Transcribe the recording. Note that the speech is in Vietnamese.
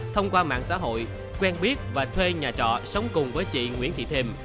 thông qua mạng xã hội quen biết và thuê nhà trọ sống cùng với chị nguyễn thị thềm